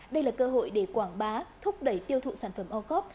đây là cơ hội để quảng bá thúc đẩy tiêu thụ sản phẩm o cop